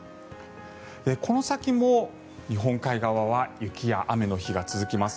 この先も日本海側は雪や雨の日が続きます。